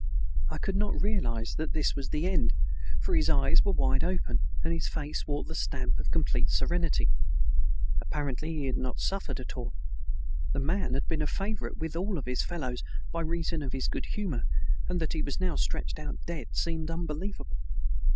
I could not realize that this was the end, for his eyes were wide open and his face wore the stamp of complete serenity. Apparently he had not suffered at all. The man had been a favorite with all his fellows by reason of his good humor, and that he was now stretched out dead seemed unbelievable.